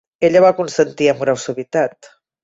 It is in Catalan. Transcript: Ella va consentir amb gran suavitat.